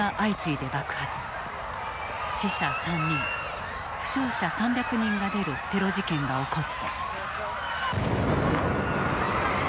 死者３人負傷者３００人が出るテロ事件が起こった。